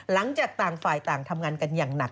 หลังจากต่างฝ่ายต่างทำงานกันอย่างหนัก